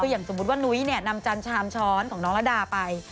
อย่างสมมุติว่านุ้ยนำจันชามช้อนของน้องระดาไป